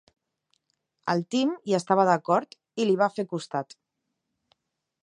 El Tim hi estava d'acord i li va fer costat.